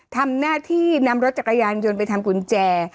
ทำหน้าที่นำรถจักรยานยนต์ไปทำกุญแจ